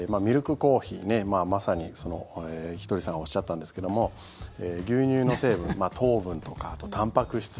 まさにひとりさんがおっしゃったんですけども牛乳の成分、糖分とかあと、たんぱく質。